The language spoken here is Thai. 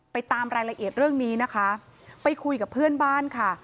ตามรายละเอียดเรื่องนี้นะคะไปคุยกับเพื่อนบ้านค่ะ